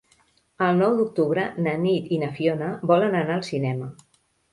El nou d'octubre na Nit i na Fiona volen anar al cinema.